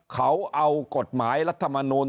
เขาเอากฎหมายรัฐมนูล